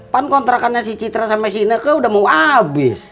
pan kontrakannya si citra sama sina ke udah mau habis